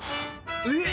えっ！